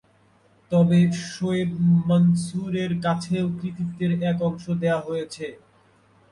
তবে শোয়েব মনসুরের কাছেও কৃতিত্বের এক অংশ দেয়া হয়েছে।